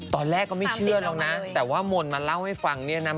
ตอนแรกก็ไม่เชื่อหรอกนะแต่ว่ามนต์มาเล่าให้ฟังเนี่ยนะ